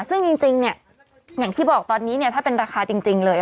ซึ่งจริงอย่างที่บอกตอนนี้ถ้าเป็นราคาจริงเลย